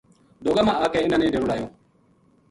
ڈوگا ما آ کے اِنھاں نے ڈیرو لایو